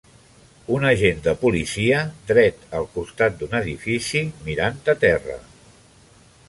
Un agent de policia dret al costat d'un edifici mirant a terra